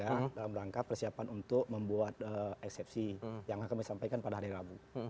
jadi ini adalah langkah persiapan untuk membuat eksepsi yang akan kami sampaikan pada hari rabu